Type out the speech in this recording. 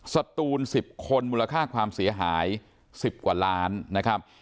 สตูน๑๐คนมูลค่าความเสียหาย๑๐กว่าล้านนะครับ